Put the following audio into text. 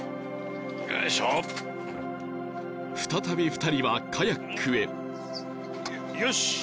よいしょ再び２人はカヤックへよし！